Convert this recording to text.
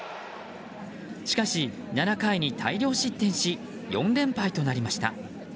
しかし７回に大量失点し４連敗となりました。